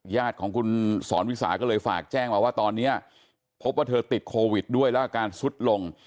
ญาติของคุณสอนวิสาก็เลยฝากแจ้งมาว่าตอนนี้พบว่าเธอติดโควิดด้วยแล้วอาการสุดลง